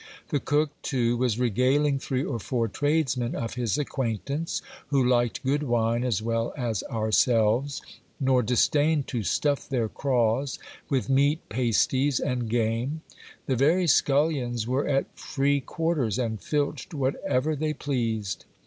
The cook too was regaling three or four tradesmen of his acquaintance, who liked good wine as well as ourselves, nor disdained to stuff their craws with meat pasties and game : the very scullions were at free quarters, and filched whatever they pleased.